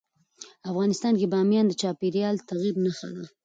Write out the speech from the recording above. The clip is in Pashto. افغانستان کې بامیان د چاپېریال د تغیر نښه ده.